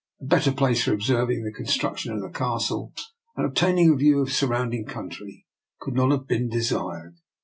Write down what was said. A better place for observ ing the construction of the castle, and of ob taining a view of the surrounding country, could not have been desired.